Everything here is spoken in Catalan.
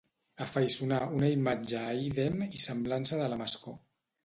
Afaiçonar una imatge a ídem i semblança de la Mascó.